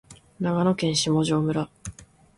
長野県下條村